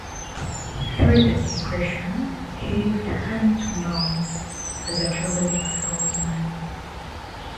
Through the depression he lived hand-to-mouth as a traveling salesman.